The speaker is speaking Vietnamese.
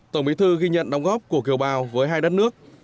tổng bí thư ghi nhận đóng góp của kiều bào với hai đất nước